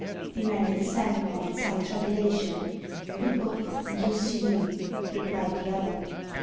demanded the Sandman, in some trepidation. "Look up, and you'll see him," replied the other.